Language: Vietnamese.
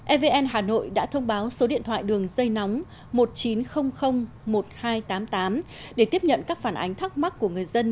evn hà nội đã thông báo số điện thoại đường dây nóng một chín không không một hai tám tám để tiếp nhận các phản ánh thắc mắc của người dân